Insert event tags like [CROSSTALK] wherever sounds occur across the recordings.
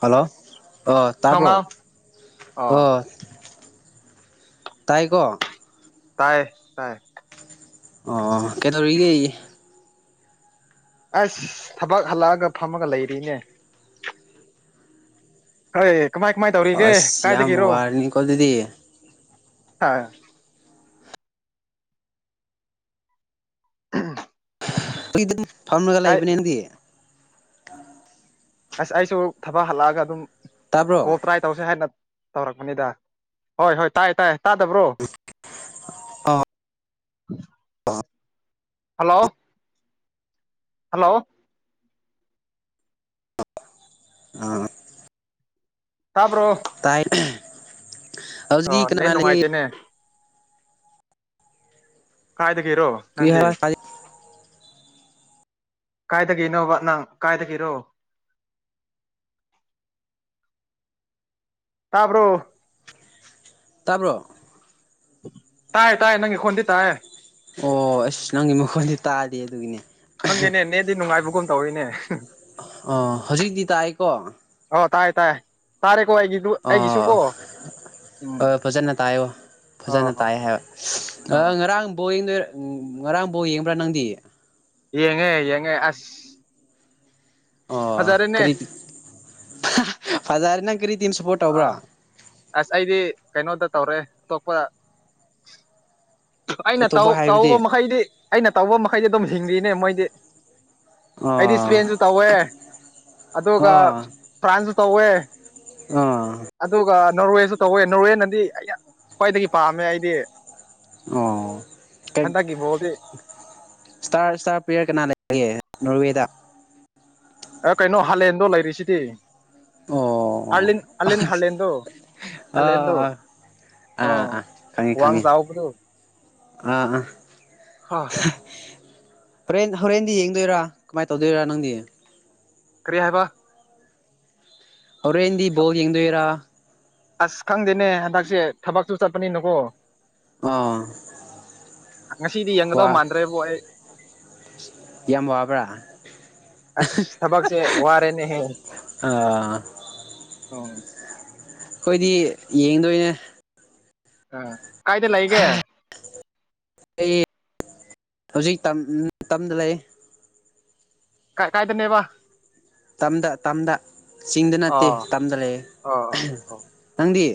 hello ꯑꯥ ꯇꯥꯕ꯭ꯔꯣ ꯊꯣꯡꯉꯥꯎ ꯑꯣ ꯇꯥꯏꯀꯣ ꯇꯥꯏ ꯇꯥꯏ ꯑꯣ ꯀꯩꯗꯧꯔꯤꯒꯦ ꯑꯁ ꯊꯕꯛ ꯍꯜꯂꯛꯑꯒ ꯐꯝꯃꯒ ꯂꯩꯔꯤꯅꯦ ꯍꯣꯏ ꯀꯃꯥꯏ ꯀꯃꯥꯏ ꯇꯧꯔꯤꯒꯦ ꯑꯁ ꯌꯥꯝ ꯀꯥꯏꯗꯒꯤꯔꯣ ꯋꯥꯔꯅꯤꯀꯣ ꯑꯗꯨꯗꯤ ꯑꯥ ꯎꯝ ꯏꯗꯤ ꯐꯥꯝꯃꯒ ꯂꯩꯕꯅꯦ ꯅꯪꯗꯤ ꯑꯁ ꯑꯩꯁꯨ ꯊꯕꯛ ꯍꯜꯂꯛꯑꯒ ꯑꯗꯨꯝ ꯇꯥꯕ꯭ꯔꯣ ꯀꯣꯜ ꯇ꯭ꯔꯥꯏ ꯇꯧꯁꯦ ꯍꯥꯏꯅ ꯇꯧꯔꯛꯄꯅꯤꯗ ꯍꯣꯏ ꯍꯣꯏ ꯇꯥꯏꯌꯦ ꯇꯥꯏꯌꯦ ꯇꯥꯗꯕ꯭ꯔꯣ ꯑꯥ [INAUDIBLE] ꯍꯜꯂꯣ ꯍꯜꯂꯣ ꯑꯥ ꯇꯥꯕ꯭ꯔꯣ ꯇꯥꯏ ꯑꯣ ꯍꯧꯖꯤꯛ ꯀꯅꯥ ꯅꯦꯠ ꯀꯅꯥ ꯂꯩ ꯅꯨꯡꯉꯥꯏꯇꯦꯅꯦ ꯀꯥꯏꯗ ꯒꯤꯔꯣ ꯀꯔꯤ ꯅꯪꯗꯤ ꯍꯥꯏꯕ ꯀꯥꯏꯗ ꯒꯤꯅꯣ ꯕ ꯅꯪ ꯀꯥꯏꯗ ꯒꯤꯔꯣ ꯇꯥꯕ꯭ꯔꯣ ꯇꯥꯕ꯭ꯔꯣ ꯇꯥꯏ ꯇꯥꯏꯌꯦ ꯅꯪꯒꯤ ꯈꯣꯟꯗꯤ ꯇꯥꯏꯌꯦ ꯑꯣ ꯑꯁ ꯅꯪꯒꯤ ꯃꯈꯣꯟꯗꯤ ꯇꯥꯗꯦ ꯑꯗꯨꯒꯤꯅꯦ ꯈꯪꯗꯦꯅꯦ ꯅꯦꯠꯗꯤ ꯅꯨꯡꯉꯥꯏꯕꯒꯨꯝ ꯇꯧꯔꯤꯅꯦ ꯑꯣ ꯍꯧꯖꯤꯛꯇꯤ ꯇꯥꯏꯀꯣ ꯑꯣ ꯇꯥꯏ ꯇꯥꯏ ꯇꯥꯔꯦ ꯑꯣ ꯎꯝ ꯑꯥ ꯐꯖꯅ ꯇꯥꯏꯌꯣ ꯑ ꯐꯖꯅ ꯍꯣ ꯇꯥꯏ ꯍꯥꯏꯕ ꯑ ꯑ ꯉꯔꯥꯡ ꯕꯣꯡꯗ ꯎꯝ ꯉꯔꯥꯡ ꯕꯣꯜ ꯌꯦꯡꯕ꯭ꯔꯥ ꯅꯪꯗꯤ ꯌꯦꯡꯉꯦ ꯌꯦꯡꯉꯦ ꯑꯁ ꯐꯖꯔꯦꯅꯦ ꯍꯥꯍꯥꯍꯥ ꯐꯖꯔꯦ ꯅꯪ ꯀꯔꯤ ꯇꯤꯝ ꯁꯞꯄꯣꯔꯠ ꯇꯧꯕ꯭ꯔꯥ ꯑꯥ ꯑꯁ ꯑꯩꯗꯤ ꯀꯩꯅꯣꯗ ꯇꯧꯔꯦ ꯑꯇꯣꯞꯄ ꯑꯩꯅ ꯑꯇꯣꯞꯄ ꯍꯥꯏꯕꯗꯤ ꯇꯧꯕ ꯃꯈꯩꯗꯤ ꯑꯩꯅ ꯇꯧꯕ ꯃꯈꯩꯗꯤ ꯑꯗꯨꯝ ꯍꯤꯡꯉꯤꯅꯦ ꯃꯈꯣꯏꯗꯤ ꯑꯩꯗꯤ ꯑꯣ ꯏꯁꯄꯦꯟꯁꯨ ꯇꯧꯋꯦ ꯑꯗꯨꯒ ꯐ꯭ꯔꯥꯟꯁꯁꯨ ꯇꯧꯋꯦ ꯑꯥ ꯑꯗꯨꯒ ꯅꯣꯔꯋꯦꯁꯨ ꯇꯧꯋꯦ ꯅꯣꯔꯋꯦꯅꯗꯤ ꯑꯩ ꯌꯥꯝ ꯈ꯭ꯋꯥꯏꯗꯒꯤ ꯄꯥꯝꯃꯦ ꯑꯩꯗꯤ ꯑꯣ ꯍꯟꯗꯛꯀꯤ ꯕꯣꯜꯗꯤ ꯏꯁꯇꯥꯔ ꯏꯁꯇꯥꯔ ꯄ꯭ꯂꯦꯌꯔ ꯀꯅꯥ ꯂꯩꯒꯦ ꯅꯣꯔꯋꯦꯗ ꯑꯥ ꯀꯩꯅꯣꯍꯥꯂꯦꯟꯗꯣ ꯂꯩꯔꯤꯁꯤꯗꯤ ꯑꯣ ꯑꯥꯂꯤꯟ ꯑꯥꯂꯤꯟꯍꯥꯂꯦꯟꯗꯣ ꯍꯥꯂꯦꯟꯗꯣ ꯑꯥ ꯑꯥ ꯑꯣ ꯑꯥ ꯋꯥꯡꯆꯥꯎꯕꯗꯨ INAUDIBLE ꯍꯣꯔꯦꯟꯍꯣꯔꯦꯟꯗꯤ ꯌꯦꯡꯗꯣꯏꯔꯥ ꯀꯝꯃꯥꯏ ꯇꯧꯗꯣꯏꯔꯥ ꯅꯪꯗꯤ ꯀꯔꯤꯍꯥꯏꯕ ꯍꯧꯔꯦꯟꯗꯤ ꯕꯣꯜꯌꯦꯡꯗꯣꯏꯔꯥ ꯑꯥꯁ ꯈꯪꯗꯦꯅꯦ ꯍꯟꯗꯛꯁꯦ ꯊꯕꯛꯁꯨ- ꯆꯠꯄꯅꯤꯅꯥ ꯀꯣ INAUDIBLE ꯉꯁꯤꯗꯤ ꯌꯦꯡꯒꯗꯧꯃꯥꯟꯗ꯭ꯔꯦꯕꯣ ꯑꯩ ꯌꯥꯝ ꯋꯥꯕ꯭ꯔꯥ ꯑꯥꯁ ꯊꯕꯛꯁꯦ ꯋꯥꯔꯦꯅꯦ ꯍꯦ ꯑꯣ ꯑꯩꯈꯣꯏ ꯗꯤ ꯌꯦꯡꯗꯣꯏꯅꯦ ꯑꯪ ꯀꯥꯌꯗ ꯂꯩꯒꯦ ꯑꯩ ꯍꯧꯖꯤꯛ ꯇꯝꯇꯝꯗ ꯂꯩꯌꯦ ꯀꯀꯥꯏꯗꯅꯦꯅꯕꯥ ꯇꯝꯗꯇꯝꯗ ꯆꯤꯡꯗ ꯅꯠꯇꯦ ꯑꯣ ꯇꯝꯗ ꯂꯩꯌꯦ ꯑꯣ ꯑꯣ ꯑꯣ ꯅꯪ ꯗꯤ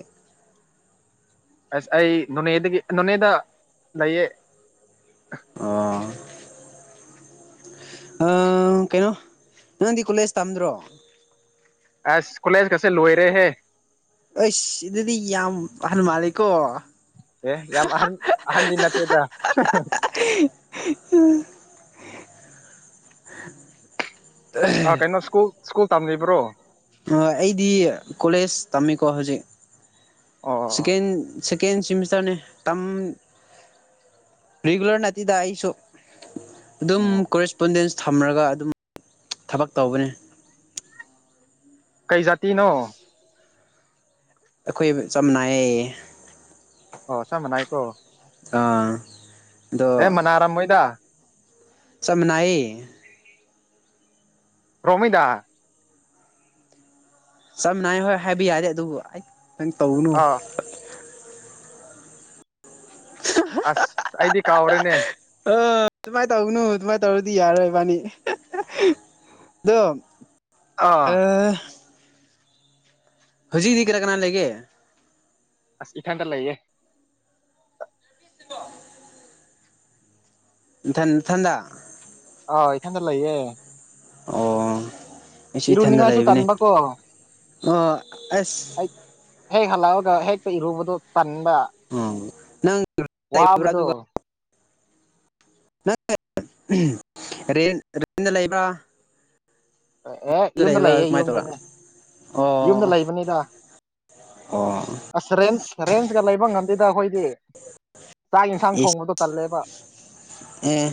ꯑꯥꯁ ꯑꯩ ꯅꯣꯅꯦꯗꯒꯤ ꯅꯣꯅꯦꯗ ꯂꯩꯌꯦ ꯑꯣ ꯑꯪꯑꯥ ꯀꯩꯅꯣ ꯅꯪꯗꯤ ꯀꯣꯂꯦꯖ ꯇꯝꯗ꯭ꯔꯣ ꯑꯥꯁ ꯀꯣꯂꯦꯖ ꯒꯁꯦ ꯂꯣꯏꯔꯦ ꯍꯦ ꯑꯩꯁ ꯁꯤꯗꯗꯤ ꯌꯥꯝ ꯑꯍꯟꯃꯥꯜꯂꯦꯀꯣ ꯑꯦ ꯌꯥꯝꯑꯍꯟ ꯑꯍꯟꯗꯤ ꯅꯠꯇꯦꯗ INAUDIBLE ꯑꯥ ꯀꯩꯅꯣ ꯁ꯭ꯀꯨꯜꯁ꯭ꯀꯨꯜ ꯇꯝꯂꯤꯕꯔꯣ ꯍꯣꯢꯑꯩꯗꯤ ꯀꯣꯂꯦꯖ ꯇꯝꯃꯤꯀꯣ ꯍꯧꯖꯤꯛ ꯑꯣ ꯑꯣ ꯑꯣ ꯁꯦꯀꯦꯟ ꯁꯦꯀꯦꯟꯁꯤꯃꯤꯁꯇꯔꯅꯤ ꯇꯝ ꯔꯤꯒꯨꯂꯔ ꯅꯠꯇꯦꯗ ꯑꯩ ꯁꯨ ꯑꯗꯨꯝ ꯑꯣ ꯀꯣꯔꯦꯁꯄꯣꯟꯗꯦꯟꯁ ꯊꯝꯔꯒ ꯑꯗꯨꯝ ꯊꯕꯛ ꯇꯧꯕꯅꯤ ꯀꯩꯖꯥꯇꯤꯅꯣ UNINTELLIGIBLE ꯑꯣ ꯆꯞꯃꯥꯟꯅꯩꯀꯣ ꯑꯥꯑꯪ ꯍꯦ ꯃꯅꯥꯔꯝꯃꯣꯏꯗ ꯆꯞꯃꯅꯥꯏꯌꯦ ꯔꯣꯡꯃꯩꯗꯥ ꯆꯝꯅ ꯍꯥꯢꯌꯣꯍꯦ ꯍꯥꯌꯕ ꯌꯥꯔꯗꯤ ꯑꯗꯨꯕꯨ ꯅꯪ ꯇꯧꯔꯨꯅꯨ ꯑꯥ ꯑꯥꯁ ꯑꯩꯗꯤ ꯀꯥꯎꯔꯦꯅꯦ ꯑꯥ ꯗꯨꯃꯥꯏꯅ ꯇꯧꯒꯅꯨ-ꯑꯗꯨꯃꯥꯏꯅ ꯇꯧꯔꯗꯤ ꯌꯥꯔꯣꯏꯏꯕꯥꯅꯤ ꯑꯗꯣ ꯑꯥ UNINTELLIGIBLE ꯉꯁꯤꯗꯤ ꯀꯅꯥ- ꯀꯅꯥ ꯂꯩꯒꯦ UNINTELLIGIBLE INAUDIBLE ꯅꯊꯟ-ꯅꯊꯟꯗ ꯑꯧ ꯏꯊꯟꯗ ꯂꯩꯌꯦ ꯑꯣꯑꯣ ꯑꯩꯁꯨ ꯏꯊꯟꯗ ꯏꯔꯨꯅꯤꯡꯉꯥꯏꯁꯨ ꯂꯩꯕꯅꯦ ꯇꯟꯕꯀꯣ ꯑꯣ ꯑꯁ ꯑꯩ ꯍꯦꯛ ꯍꯜꯂꯛꯑꯒ ꯍꯦꯛꯇ ꯏꯔꯨꯕꯗꯣ ꯇꯟꯕ ꯋꯥꯕꯗꯣ [UNINTELLIGIBLE] [UNINTELLIGIBLE] ꯑꯦ ꯑꯗꯨꯗ ꯌꯨꯝꯗ ꯂꯩꯕ꯭ꯔꯥ ꯂꯩꯌꯦ ꯀꯃꯥꯏꯅ ꯇꯧꯔ ꯌꯨꯝꯗꯅꯦ ꯌꯨꯝꯗ ꯑꯣ ꯂꯩꯕꯅꯤꯗ ꯑꯣ ꯑꯁ ꯔꯦꯟꯁ ꯔꯦꯟꯁꯀ ꯂꯩꯕ ꯉꯝꯗꯦꯗ ꯑꯩꯈꯣꯏꯗꯤ ꯆꯥꯛ ꯌꯦꯟꯁꯥꯡ ꯏꯁ ꯊꯣꯡꯕꯗꯣ ꯇꯜꯂꯦꯕ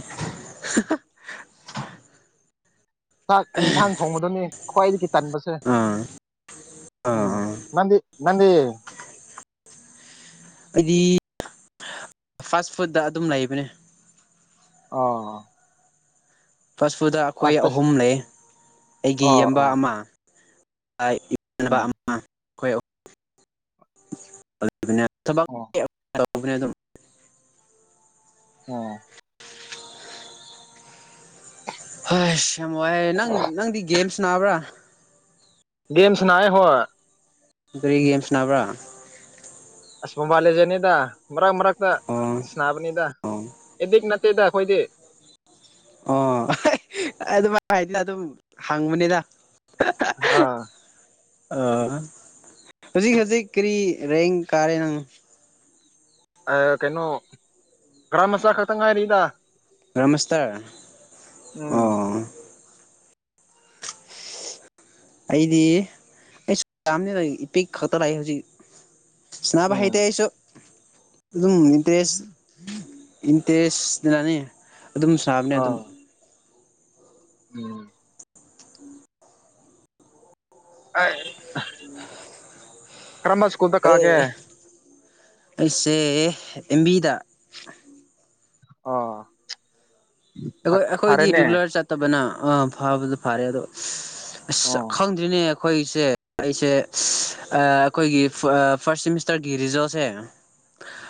ꯍꯤ ꯍꯥ ꯆꯥꯛ ꯌꯦꯟꯁꯥꯡ ꯊꯣꯡꯕꯗꯨꯅꯦ ꯈ꯭ꯋꯥꯏꯗꯒꯤ ꯇꯟꯕꯁꯦ ꯑꯥ ꯑꯪ ꯑꯥ ꯅꯪꯗꯤ ꯅꯪꯗꯤ ꯑꯩꯗꯤ ꯐꯥꯁ ꯐꯨꯗꯠꯇ ꯑꯗꯨꯝ ꯂꯩꯕꯅꯦ ꯑꯣ ꯐꯥꯁꯠ ꯐꯨꯗ ꯑꯩꯈꯣꯏ ꯑꯁ ꯑꯍꯨꯝ ꯂꯩ ꯑꯩꯒꯤ ꯑꯣ ꯏꯌꯥꯝꯕ ꯑꯣ ꯑꯃ [UNINTELLIGIBLE] [UNINTELLIGIBLE] ꯎꯝ ꯑꯣ ꯑꯣ ꯍꯣꯏ ꯁ ꯌꯥꯝ ꯋꯥꯏꯔꯦ ꯅꯪ ꯅꯪꯗꯤ ꯒꯦꯝꯁ ꯁꯥꯅꯕ꯭ꯔꯥ ꯒꯦꯝ ꯁꯥꯅꯌꯦ ꯍꯣꯏ ꯀꯔꯤ ꯒꯦꯝ ꯁꯥꯅꯥꯕ꯭ꯔꯥ ꯑꯁ ꯃꯣꯕꯥꯢꯜ ꯂꯦꯖꯦꯟꯅꯤꯗ ꯃꯔꯛ ꯃꯔꯛꯇ ꯑꯣ ꯁꯥꯅꯥꯕꯅꯤꯗꯥ ꯑꯣ ꯑꯦꯗꯤꯛ ꯅꯠꯇꯦꯗ ꯑꯩꯈꯣꯏꯗꯤ ꯑꯣ ꯑꯗꯨꯃꯥꯏ ꯍꯥꯏꯗꯅ ꯑꯗꯨꯝ ꯍꯪꯕꯅꯤꯅ ꯑꯥ ꯑꯥ ꯍꯧꯖꯤꯛ ꯍꯧꯖꯤꯛ ꯀꯔꯤ ꯔꯦꯡ ꯀꯥꯔꯦ ꯅꯪ ꯑꯥ ꯀꯩꯅꯣ ꯒ꯭ꯔꯥꯝ ꯃꯆꯥ ꯈꯛꯇꯪ ꯉꯥꯏꯔꯤꯗ ꯒ꯭ꯔꯥꯝꯃꯥꯁꯇꯔ ꯎꯝ ꯑꯣ ꯑꯩꯗꯤ ꯑꯩꯁꯨ ꯌꯥꯝꯅꯤꯕ ꯏꯄꯤꯛ ꯈꯛꯇ ꯂꯥꯛꯏ ꯍꯧꯖꯤꯛ ꯁꯥꯅꯕ ꯎꯝ ꯍꯩꯇꯦ ꯑꯩꯁꯨ ꯑꯗꯨꯝ ꯏꯟꯇꯔꯦꯁ ꯏꯟꯇꯔꯦꯁꯅꯅꯦ ꯑꯗꯨꯝ ꯁꯥꯕꯅꯦ ꯑꯥ ꯑꯗꯨꯝ ꯎꯝ ꯑꯥ ꯑꯍꯝ ꯑꯦ ꯑꯩꯁꯦ ꯑꯦꯝꯕꯤꯗ ꯑꯣ ꯑꯩꯈꯣꯏ ꯑꯩꯈꯣꯏꯗꯤ ꯐꯔꯦꯅꯦ ꯔꯤꯒꯨꯂꯔ ꯆꯠꯇꯕꯅ ꯑꯥ ꯐꯕꯗ ꯐꯔꯦ ꯑꯗꯣ ꯑꯁ ꯑꯣ ꯈꯪꯗ꯭ꯔꯤꯅꯦ ꯑꯩꯈꯣꯏꯁꯦ ꯑꯩꯁꯦ ꯑꯥ ꯑꯩꯈꯣꯏꯒꯤ ꯐꯥꯔꯁ ꯁꯤꯃꯤꯁꯇꯔꯒꯤ ꯔꯤꯖꯜꯁꯦ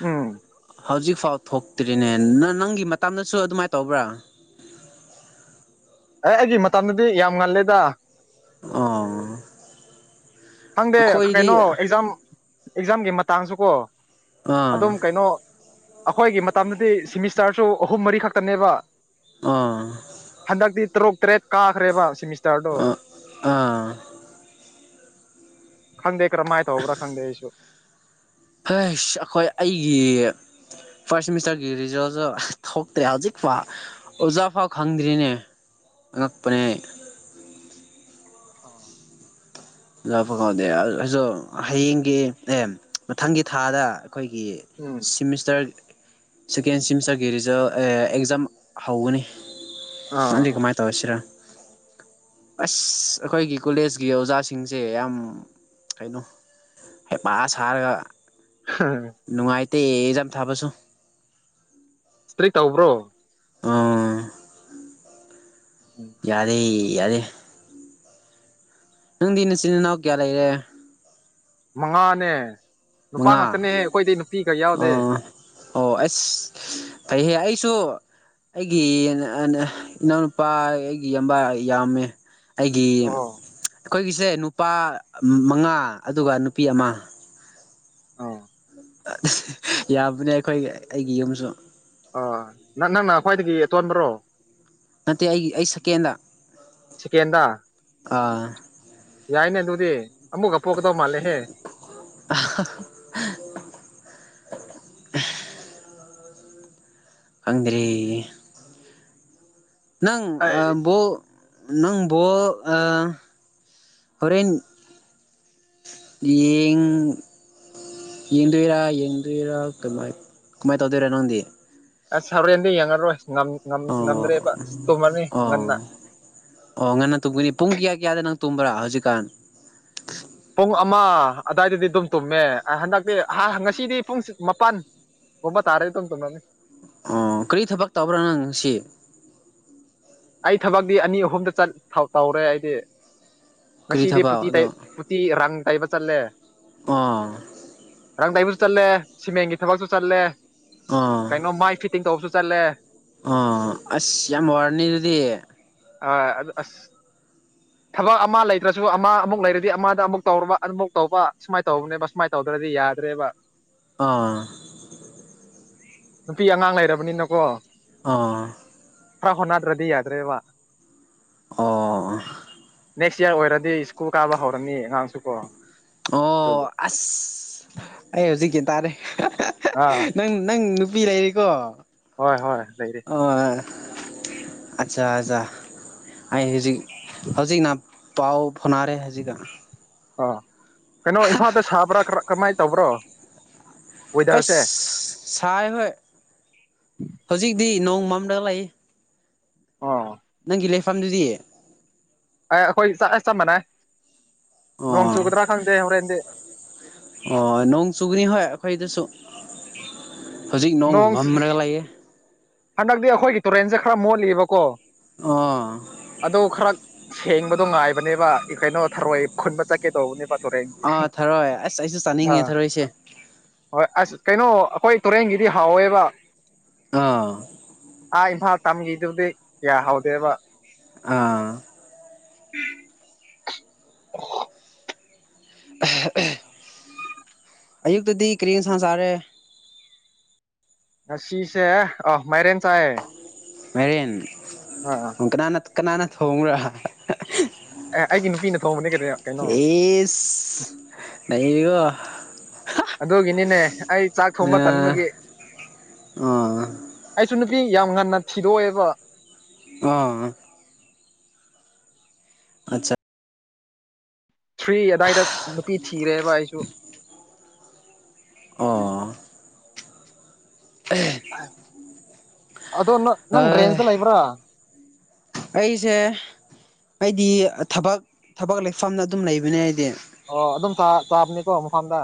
ꯎꯝ ꯍꯧꯖꯤꯛꯐꯥꯎ ꯊꯣꯛꯇ꯭ꯔꯤꯅꯦ ꯅꯪꯒꯤ ꯃꯇꯝꯗꯁꯨ ꯑꯗꯨꯃꯥꯏꯅ ꯇꯧꯕ꯭ꯔꯥ ꯑꯦ ꯑꯩꯒꯤ ꯃꯇꯝꯗꯗꯤ ꯌꯥꯝ ꯉꯜꯂꯤꯗ ꯑꯣ ꯈꯪꯗꯦ ꯑꯩꯈꯣꯏꯗꯤ ꯀꯩꯅꯣ ꯑꯦꯛꯖꯥꯝ ꯑꯦꯛꯖꯥꯝꯒꯤ ꯃꯇꯥꯡꯁꯨ ꯀꯣ ꯑꯥ ꯑꯗꯨꯝ ꯀꯩꯅꯣ ꯑꯩꯈꯣꯏꯒꯤ ꯃꯇꯝꯗꯗꯤ ꯁꯤꯃꯤꯁꯇꯔꯁꯨ ꯑꯍꯨꯝ ꯃꯔꯤ ꯈꯛꯇꯅꯦꯕ ꯑꯥ ꯍꯟꯗꯛꯇꯤ ꯇꯔꯨꯛ ꯇꯔꯦꯠ ꯀꯥꯈ꯭ꯔꯦꯕ ꯁꯤꯃꯤꯁ ꯑꯥ ꯑꯥ ꯈꯪꯗꯦ ꯀꯔꯝꯍꯥꯏꯅ ꯇꯧꯕ꯭ꯔꯥ ꯈꯪꯗꯦ ꯑꯩꯁꯨ ꯍꯥꯢ ꯑꯩꯈꯣꯏ ꯑꯩꯒꯤ ꯐꯥꯔꯁ ꯁꯤꯃꯤꯁꯇꯔꯒꯤ ꯔꯤꯖꯜꯁꯨ ꯊꯣꯛꯇꯦ ꯍꯧꯖꯤꯛ ꯐꯥꯎ ꯑꯣꯖꯥ ꯐꯥꯎ ꯈꯪꯗ꯭ꯔꯤꯅꯦ ꯑꯉꯛꯄꯅꯦ ꯑꯥ [UNINTELLIGIBLE] ꯑꯩꯁꯨ ꯍꯌꯦꯡꯒꯤ ꯑꯦ ꯃꯊꯪꯒꯤ ꯊꯥꯗ ꯑꯩꯈꯣꯏꯒꯤ ꯎꯝ ꯁꯤꯃꯤꯁꯇꯔ ꯁꯦꯀꯦꯟ ꯁꯤꯃꯤꯁꯇꯔꯒꯤ ꯔꯤꯖꯜ ꯑꯦ ꯑꯦꯛꯖꯥꯝ ꯍꯧꯒꯅꯤ ꯅꯪꯗꯤ ꯑꯥ ꯀꯃꯥꯏ ꯇꯧꯁꯤꯔꯥ ꯑꯁ ꯑꯩꯈꯣꯏꯒꯤ ꯀꯣꯂꯦꯖꯀꯤ ꯑꯣꯖꯥꯁꯤꯡ ꯁꯤꯡꯁꯦ ꯌꯥꯝ ꯀꯩꯅꯣ ꯍꯩꯄꯥ ꯁꯥꯔꯒ ꯍꯝ ꯇꯦ ꯑꯦꯛꯖꯥꯝ ꯊꯥꯕꯁꯨ ꯀꯔꯤ ꯇꯧꯕ꯭ꯔꯣ ꯑꯥ ꯎꯝ ꯌꯥꯔꯦ ꯌꯥꯔꯦ ꯅꯪꯗꯤ ꯅꯆꯤꯟ ꯏꯅꯥꯎ ꯀꯌꯥ ꯂꯩꯔꯦ ꯃꯉꯥꯅꯦ ꯅꯨꯄꯥ ꯃꯉꯥ ꯉꯥꯛꯇꯅꯦꯍꯦ ꯑꯩꯈꯣꯏꯗꯤ ꯅꯨꯄꯤꯒ ꯌꯥꯎꯗꯦ ꯑꯣ ꯑꯣ ꯑꯁ ꯐꯩꯍꯦ ꯑꯩꯁꯨ ꯑꯩꯒꯤ ꯏꯅꯥꯎꯅꯨꯄꯥ ꯑꯩꯒꯤ ꯏꯌꯥꯝꯕꯥ ꯌꯥꯝꯃꯦ ꯑꯩꯒꯤ ꯑꯣ ꯑꯩꯈꯣꯏꯒꯤꯁꯦ ꯅꯨꯄꯥ ꯃꯉꯥ ꯑꯗꯨꯒ ꯅꯨꯄꯤ ꯑꯃ ꯑꯧ ꯌꯥꯝꯕꯅꯦ ꯑꯩꯈꯣꯏ ꯑꯩꯒꯤ ꯌꯨꯝꯁꯨ ꯑꯥ ꯅꯪ ꯅꯪꯅ ꯈ꯭ꯋꯥꯏꯗꯒꯤ ꯑꯇꯣꯟꯕ꯭ꯔꯣ ꯅꯠꯇꯦ ꯑꯩꯒꯤ ꯑꯩ ꯁꯦꯀꯦꯟꯗ ꯁꯦꯀꯦꯟꯗ ꯑꯥ ꯑꯦ ꯑꯃꯨꯛꯀ ꯄꯣꯛꯀꯗꯧ ꯃꯥꯂꯦꯍꯦ ꯑꯦꯍꯦ ꯈꯪꯗ꯭ꯔꯦ ꯅꯪ ꯑꯩ ꯑꯥ ꯕꯣꯜ ꯅꯪ ꯕꯣꯜ ꯑꯥ ꯍꯣꯔꯦꯟ ꯌꯦꯡ ꯌꯦꯡꯗꯣꯏꯔꯥ ꯌꯦꯡꯗꯣꯏꯔꯥ ꯀꯃꯥꯏ ꯀꯃꯥꯏ ꯇꯧꯗꯣꯏꯔꯥ ꯅꯪꯗꯤ ꯑꯁ ꯍꯣꯔꯦꯟꯗꯤ ꯌꯦꯡꯉꯔꯣꯏ ꯉꯝ ꯉꯝ ꯑꯣ ꯉꯝꯗ꯭ꯔꯦꯕ ꯇꯨꯝꯃꯅꯤ ꯑꯣ ꯉꯟꯅ ꯑꯣ ꯉꯟꯅ ꯇꯨꯝꯒꯅꯤ ꯄꯨꯡ ꯀꯌꯥ ꯀꯌꯥꯗ ꯅꯪ ꯇꯨꯝꯕ꯭ꯔꯥ ꯍꯧꯖꯤꯛꯀꯥꯟ ꯄꯨꯡ ꯑꯃ ꯑꯗꯨꯋꯥꯏꯗꯗꯤ ꯑꯗꯨꯝ ꯇꯨꯝꯃꯦ ꯍꯟꯗꯛꯇꯤ ꯉꯁꯤꯗꯤ ꯄꯨꯡ ꯃꯥꯄꯟ ꯒꯨꯝꯕ ꯇꯥꯔꯦ ꯑꯗꯨꯝ ꯇꯝꯔꯅꯤ ꯑꯣ ꯀꯔꯤ ꯊꯕꯛ ꯇꯧꯕ꯭ꯔꯥ ꯅꯪ ꯉꯁꯤ ꯑꯩ ꯊꯕꯛꯇꯤ ꯑꯅꯤ ꯑꯍꯨꯝꯗꯆꯠ ꯇꯧꯔꯦ ꯑꯩꯗꯤ ꯀꯔꯤ ꯉꯁꯤꯗꯤ ꯐꯨꯇꯤ ꯊꯕꯛ ꯇꯩ ꯐꯨꯇꯤ ꯔꯪ ꯇꯩꯕ ꯆꯠꯂꯦ ꯑꯥ ꯔꯪ ꯇꯩꯕꯁꯨ ꯆꯠꯂꯦ ꯁꯤꯃꯦꯟꯒꯤ ꯊꯕꯛꯁꯨ ꯆꯠꯂꯦ ꯑꯣ ꯀꯩꯅꯣ ꯃꯥꯏ ꯐꯤꯠꯇꯤꯡ ꯇꯧꯕꯁꯨ ꯆꯠꯂꯦ ꯑꯣ ꯑꯁ ꯌꯥꯝ ꯋꯥꯔꯅꯤ ꯑꯗꯨꯗꯤ ꯑꯥ ꯑꯗꯨ ꯑꯁ ꯊꯕꯛ ꯑꯃ ꯂꯩꯇ꯭ꯔꯁꯨ ꯑꯃ ꯑꯃꯨꯛ ꯂꯩꯔꯗꯤ ꯑꯃꯗ ꯑꯃꯨꯛ ꯇꯧꯔꯕ ꯑꯃꯨꯛ ꯇꯧꯕ ꯁꯨꯃꯥꯏꯅ ꯇꯧꯕꯅꯦꯕ ꯁꯨꯃꯥꯏꯅ ꯇꯧꯗ ꯗ꯭ꯔꯗꯤ ꯌꯥꯗ꯭ꯔꯦꯕ ꯑꯥ ꯅꯨꯄꯤ ꯑꯉꯥꯡ ꯂꯩꯔꯕꯅꯤꯅꯀꯣ ꯑ ꯈ꯭ꯔ ꯍꯣꯠꯅꯗ꯭ꯔꯥꯗꯤ ꯌꯥꯗ꯭ꯔꯦꯕ ꯑꯣ ꯅꯦꯛꯁ ꯏꯌꯥꯔ ꯑꯣꯏꯔꯗꯤ ꯁ꯭ꯀꯨꯜ ꯀꯥꯕ ꯍꯧꯔꯅꯤ ꯑꯉꯥꯡꯁꯨ ꯀꯣ ꯑꯣ ꯑꯗꯨꯒꯤ ꯑꯁ ꯑꯩ ꯍꯧꯖꯤꯛ ꯒꯦꯟ ꯇꯥꯔꯦ ꯑꯥ ꯅꯪ ꯅꯪ ꯅꯨꯄꯤ ꯂꯩꯔꯦꯀꯣ ꯑꯣ ꯍꯣꯏ ꯍꯣꯏ ꯂꯩꯔꯤ ꯑꯠꯆꯥ ꯑꯆꯥ ꯑꯩ ꯍꯧꯖꯤꯛ ꯍꯧꯖꯤꯛꯅ ꯄꯥꯎ ꯐꯣꯅꯥꯔꯦ ꯍꯧꯖꯤꯛ ꯑ ꯀꯩꯅꯣ ꯏꯝꯐꯥꯜꯗ ꯁꯥꯕ꯭ꯔꯥ ꯀꯔꯃꯥꯏ ꯇꯧꯕ꯭ꯔꯣ ꯑꯁ ꯋꯦꯗꯔꯁꯦ ꯁꯥꯏ ꯍꯣꯏ ꯍꯧꯖꯤꯛꯇꯤ ꯅꯣꯡꯃ ꯃꯝꯂ ꯂꯩ ꯑꯣ ꯅꯪꯒꯤ ꯂꯩꯐꯝꯗꯨꯗꯤ ꯑꯦ ꯑꯩꯈꯣꯏ ꯆꯥ ꯆꯞ ꯃꯥꯟꯅꯩ ꯅꯣꯡ ꯑꯣ ꯆꯨꯒꯗ꯭ꯔꯥ ꯈꯪꯗꯦ ꯍꯣꯔꯦꯟꯗꯤ ꯑꯣ ꯅꯣꯡ ꯆꯨꯒꯅꯤ ꯍꯣꯏ ꯑꯩꯈꯣꯏꯗꯁꯨ ꯍꯧꯖꯤꯛ ꯅꯣꯡ ꯃꯝꯔꯒ ꯂꯩꯥꯌꯦ ꯍꯟꯗꯛꯇꯤ ꯑꯩꯈꯣꯏꯒꯤ ꯇꯨꯔꯦꯟꯁꯦ ꯈꯔ ꯃꯣꯠꯂꯤꯕꯀꯣ ꯑꯥ ꯑꯗꯨ ꯈꯔ ꯁꯦꯡꯕꯗꯣ ꯉꯥꯏꯕꯅꯦꯕ ꯀꯩꯅꯣ ꯊꯔꯣꯏ ꯈꯨꯟꯕ ꯆꯠꯀꯦ ꯇꯧꯕꯅꯦꯕ ꯇꯨꯔꯦꯟꯒꯤ ꯑꯥ ꯊꯔꯣꯏ ꯑꯁ ꯑꯩꯁꯨ ꯑ ꯆꯥꯅꯤꯡꯉꯦ ꯊꯔꯣꯏꯁꯦ ꯍꯣꯏ ꯑꯁ ꯀꯩꯅꯣ ꯑꯩꯈꯣꯏ ꯇꯨꯔꯦꯟꯒꯤꯗꯤ ꯍꯥꯎꯋꯦꯕ ꯑꯥ ꯑꯥ ꯏꯝꯐꯥꯜ ꯇꯝꯒꯤꯗꯨꯗꯤ ꯀꯌꯥ ꯍꯥꯎꯗꯦꯕ ꯑꯥ ꯎꯝ ꯑꯣ ꯑꯍꯦ ꯑꯍꯦ ꯑꯌꯨꯛꯇꯗꯤ ꯀꯔꯤ ꯏꯟꯁꯥꯡ ꯆꯔꯦ ꯉꯥꯁꯤꯁꯦ ꯑꯣ ꯃꯥꯏꯔꯦꯟ ꯆꯥꯢꯌꯦ ꯃꯥꯢꯔꯦꯟ ꯀꯅꯥꯅ ꯀꯅꯥꯅ ꯊꯣꯡꯕ꯭ꯔꯥ ꯍꯥꯍꯥ ꯑꯦ ꯑꯩꯒꯤ ꯅꯨꯄꯤꯅ ꯊꯣꯡꯕꯅꯤ ꯀꯔꯤ ꯀꯩꯅꯣ ꯅꯩꯌꯦꯀꯣ ꯑꯗꯨꯒꯤꯅꯤꯅꯦ ꯑꯩ ꯆꯥꯛ ꯊꯣꯡꯕ ꯑꯥ ꯇꯟꯕꯒꯤ ꯑꯥ ꯍꯩꯁ ꯁꯨ ꯅꯨꯄꯤ ꯌꯥꯝ ꯉꯟꯅ ꯊꯤꯗꯣꯛꯑꯦꯀꯣ ꯑ ꯑꯆꯥ ꯊ꯭ꯔꯤ ꯑꯗꯥꯏꯗ ꯅꯨꯄꯤ ꯊꯤꯔꯦꯕ ꯑꯩꯁꯨ ꯑꯣ ꯑꯗꯣ ꯅꯪ ꯅꯪ ꯔꯦꯟꯁꯗ ꯂꯩꯕ꯭ꯔꯥ ꯑꯩꯁꯦ ꯑꯩꯗꯤ ꯊꯕꯛ ꯊꯕꯛ ꯂꯩꯐꯝꯅ ꯑꯗꯨꯝ ꯂꯩꯕꯅꯦ ꯑꯩꯗꯤ ꯑꯣ ꯑꯗꯨꯝ ꯆꯥ ꯆꯥꯕꯅꯦꯀꯣ ꯃꯐꯝꯗ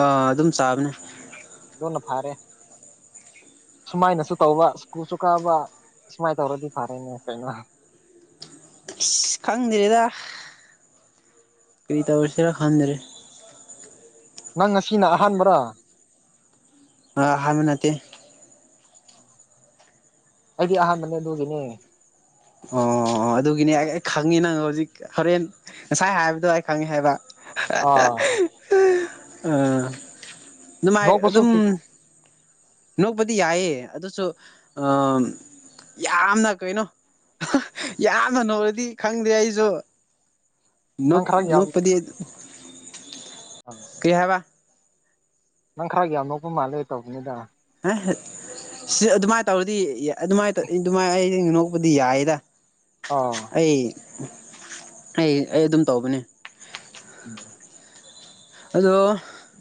ꯑꯥ ꯑꯗꯨꯝ ꯆꯥꯕꯅꯦ ꯑꯗꯣꯅ ꯐꯥꯔꯦ ꯁꯨꯃꯥꯏꯅꯁꯨ ꯇꯧꯕ ꯁ꯭ꯀꯨꯜꯁꯨ ꯀꯥꯕ ꯁꯨꯃꯥꯏꯅ ꯇꯧꯔꯗꯤ ꯐꯔꯦꯅꯦ ꯀꯩꯅꯣ ꯢꯁ ꯁꯤ ꯈꯪꯗ꯭ꯔꯦꯗ ꯀꯔꯤ ꯇꯧꯔꯁꯤꯔ ꯈꯪꯗ꯭ꯔꯦ ꯅꯪ ꯉꯁꯤꯅ ꯑꯍꯥꯟꯕꯔꯥ ꯑꯥ ꯑꯍꯥꯟꯕ ꯅꯠꯇꯦ ꯑꯩꯗꯤ ꯑꯍꯥꯟꯕꯅꯦ ꯑꯗꯨꯒꯤꯅꯦ ꯑꯣ ꯑꯗꯨꯒꯤꯅꯦ ꯑꯩ ꯑꯩ ꯈꯪꯉꯦ ꯅꯪ ꯍꯧꯖꯤꯛ ꯍꯣꯔꯦꯟ ꯉꯁꯥꯏ ꯍꯥꯏꯕꯗꯣ ꯑꯩ ꯈꯪꯉꯦ ꯍꯥꯏꯕ ꯑꯣ ꯑꯥ ꯑꯗꯨꯃꯥꯏ ꯅꯣꯛꯄꯁꯨ ꯑꯗꯨꯝ ꯅꯣꯛꯄꯗꯤ ꯌꯥꯏꯌꯦ ꯑꯗꯨꯁꯨ ꯑꯝ ꯌꯥꯝꯅ ꯀꯩꯅꯣ ꯍꯥꯍꯥ ꯌꯥꯝꯅ ꯅꯣꯛꯔꯗꯤ ꯈꯪꯗꯦ ꯑꯩꯁꯨ ꯅꯨ ꯅꯪ ꯈꯔ ꯌꯥꯝ ꯅꯨꯞꯄꯗꯤ ꯑ ꯀꯩ ꯍꯥꯏꯕ ꯅꯪ ꯈꯔ ꯌꯥꯝ ꯅꯣꯛꯄ ꯃꯥꯜꯂꯦ ꯇꯧꯕꯅꯦꯗ ꯑꯍꯠ ꯁꯤ ꯑꯗꯨꯃꯥꯏꯅ ꯇꯧꯔꯗꯤ ꯑꯗꯨꯃꯥꯏꯅ ꯇꯧ ꯑꯗꯨꯃꯥꯏꯅ ꯑꯩ ꯅꯣꯛꯄꯗꯤ ꯌꯥꯏꯌꯦꯗ ꯑꯥ ꯑꯩ ꯑꯩ ꯑꯩ ꯑꯗꯨꯝ ꯇꯧꯕꯅꯦ ꯎꯝ ꯑꯗꯣ